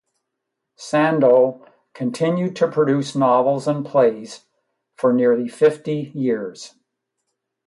Sandeau continued to produce novels and plays for nearly fifty years.